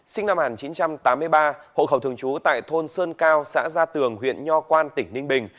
sinh năm một nghìn chín trăm tám mươi ba hộ khẩu thường trú tại thôn sơn cao xã gia tường huyện nho quan tỉnh ninh bình